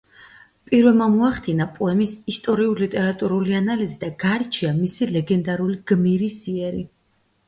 პირველმა მოახდინა პოემის ისტორიულ-ლიტერატურული ანალიზი და გაარჩია მისი ლეგენდარული გმირის იერი.